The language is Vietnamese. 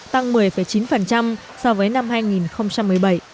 tăng một mươi chín so với năm hai nghìn một mươi bảy